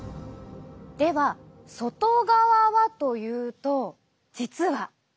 では外側はというと実は。